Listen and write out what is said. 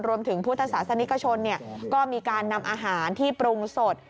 รวมถึงพุทธศาสนิกชนก็มีการนำอาหารที่ปรุงสด